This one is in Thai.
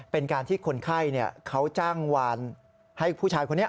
เป็นการที่คนไข้เขาจ้างวานให้ผู้ชายคนนี้